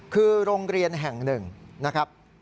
คือโรงเรียนแห่งหนึ่งนะครับ